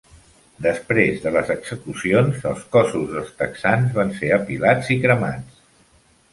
Després de les execucions, els cossos dels texans van ser apilats i cremats.